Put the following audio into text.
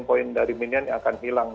dan poin dari minion akan hilang